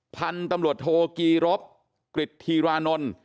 พันธุ์ตำรวจโทกีรบกริจธีรานนท์